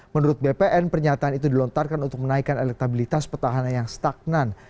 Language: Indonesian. menurut bpn pernyataan itu dilontarkan untuk menaikkan elektabilitas petahana yang stagnan